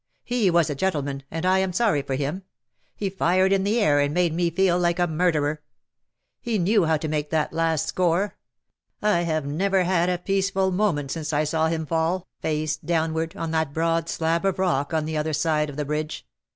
He was a gentleman, and I am sorry for him. He fired in the air, and made me feel like a murderer. He knew how to^ make that last score. I have never had a peaceful moment since I saw him fall, face downward, on that broad slab of rock on the other side of the bridge.